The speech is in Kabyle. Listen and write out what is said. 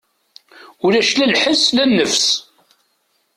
Ulac la lḥes la nnefs.